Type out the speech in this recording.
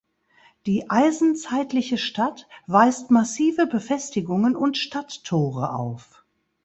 Die eisenzeitliche Stadt weist massive Befestigungen und Stadttore auf.